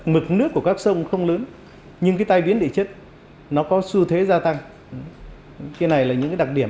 mực nước của các sông không lớn nhưng cái tai biến địa chất nó có xu thế gia tăng cái này là những cái đặc điểm